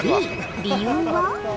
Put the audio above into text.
理由は？